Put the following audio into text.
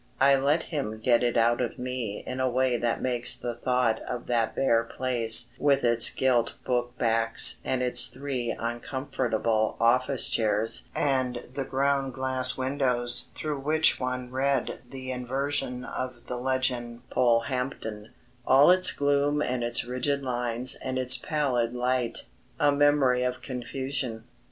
I let him get it out of me in a way that makes the thought of that bare place with its gilt book backs and its three uncomfortable office chairs and the ground glass windows through which one read the inversion of the legend "Polehampton," all its gloom and its rigid lines and its pallid light, a memory of confusion.